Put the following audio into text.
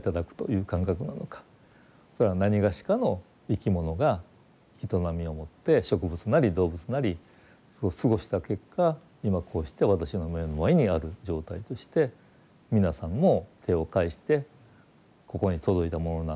それはなにがしかの生き物が営みをもって植物なり動物なりそう過ごした結果今こうして私の目の前にある状態として皆さんも手を介してここに届いたものなのだ。